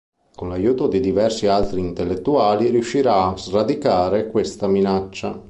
Con l'aiuto di diversi altri intellettuali, riuscirà a sradicare questa minaccia.